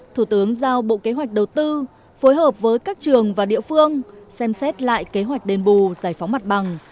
thủ tướng giao bộ kế hoạch đầu tư phối hợp với các trường và địa phương xem xét lại kế hoạch đền bù giải phóng mặt bằng